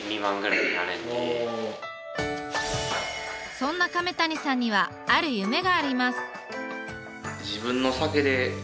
そんな亀谷さんにはある夢があります。